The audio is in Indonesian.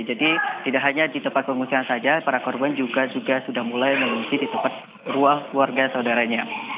jadi tidak hanya di tempat pengungsian saja para korban juga sudah mulai mengungsi di tempat ruang keluarga saudaranya